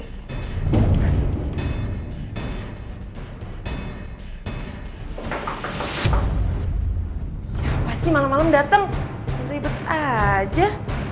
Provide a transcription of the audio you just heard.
siapa sih malem malem dateng ribet aja